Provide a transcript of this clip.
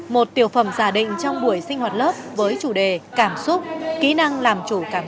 một tiểu phẩm giả định trong buổi sinh hoạt lớp với chủ đề cảm xúc kỹ năng làm chủ cảm xúc của lớp một mươi một b chín